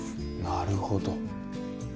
なるほど。